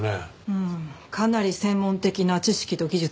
うんかなり専門的な知識と技術が必要なはず。